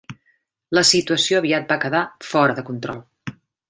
La situació aviat va quedar fora de control.